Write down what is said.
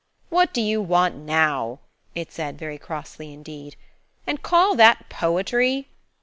"What do you want now?" it said very crossly indeed. "And call that poetry?"